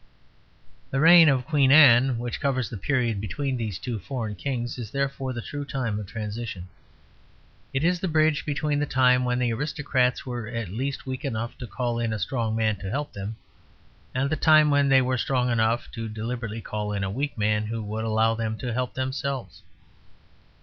The reign of Queen Anne, which covers the period between these two foreign kings, is therefore the true time of transition. It is the bridge between the time when the aristocrats were at least weak enough to call in a strong man to help them, and the time when they were strong enough deliberately to call in a weak man who would allow them to help themselves.